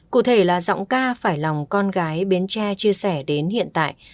cụ thể là giọng ca phải lòng con gái bến tre chia sẻ đến hiện tại